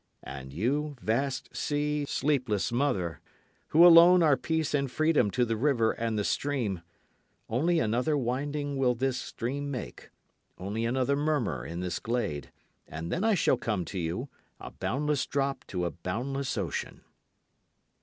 And you, vast sea, sleepless mother, Who alone are peace and freedom to the river and the stream, Only another winding will this stream make, only another murmur in this glade, And then shall I come to you, a boundless drop to a boundless ocean.